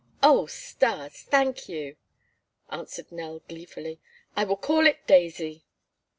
"Oh, Stas, thank you!" answered Nell gleefully. "I will call it Daisy."